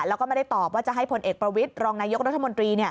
แล้วก็ไม่ได้ตอบว่าจะให้พลเอกประวิทย์รองนายกรัฐมนตรี